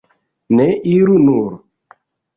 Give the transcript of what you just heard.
Ne, iru nur!